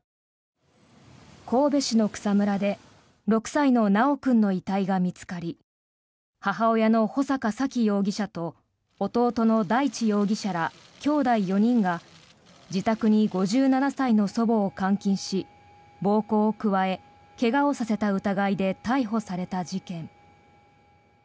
神戸市の草むらで６歳の修君の遺体が見つかり母親の穂坂沙喜容疑者と弟の大地容疑者らきょうだい４人が自宅に５７歳の祖母を監禁し暴行を加え怪我をさせた疑いで逮捕された事件。